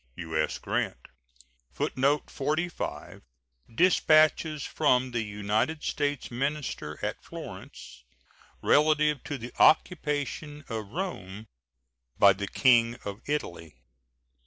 U.S. GRANT. [Footnote 45: Dispatches from the United States minister at Florence relative to the occupation of Rome by the King of Italy.